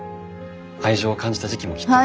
愛情を感じた時期もきっと。